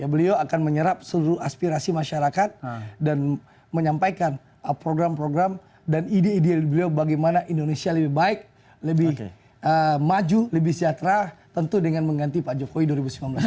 beliau akan menyerap seluruh aspirasi masyarakat dan menyampaikan program program dan ide ide beliau bagaimana indonesia lebih baik lebih maju lebih sejahtera tentu dengan mengganti pak jokowi dua ribu sembilan belas